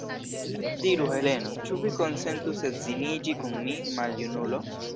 Diru, Heleno, ĉu vi konsentus edziniĝi kun mi, maljunulo?